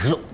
ôi cực cao